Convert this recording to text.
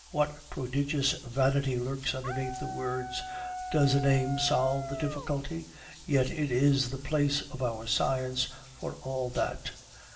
What prodigious vanity lurks underneath the words. Does a name solve the difficulty? Yet it is the whole of our science for all that.